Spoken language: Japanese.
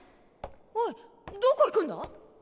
おいどこ行くんだ？